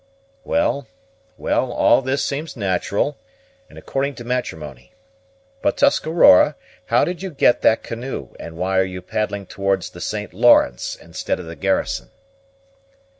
"Well, well, all this seems natural, and according to matrimony. But, Tuscarora, how did you get that canoe, and why are you paddling towards the St. Lawrence instead of the garrison?"